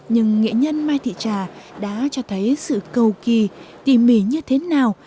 nhưng nghệ nhân mai thị trà đã cho thấy sự cầu kỳ tỉ mỉ như thế nào